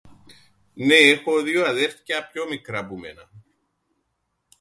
Νναι, έχω δύο αδέρφκια πιο μικρά που μέναν.